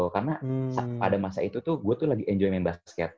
karena pada masa itu tuh gue tuh lagi enjoy main basket